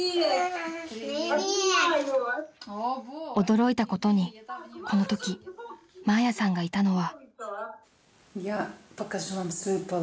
［驚いたことにこのときマーヤさんがいたのは］